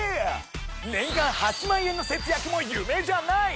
年間８万円の節約も夢じゃない！